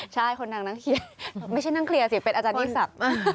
ใช่คนนางนั่งเคลียร์ไม่ใช่นั่งเคลียร์สิเป็นอาจารย์ยิ่งศักดิ์